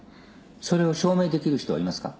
それを証明できる人はいますか。